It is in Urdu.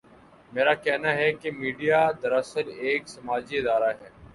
میرا کہنا ہے کہ میڈیا دراصل ایک سماجی ادارہ ہے۔